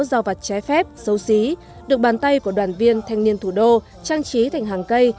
giao vặt trái phép xấu xí được bàn tay của đoàn viên thanh niên thủ đô trang trí thành hàng cây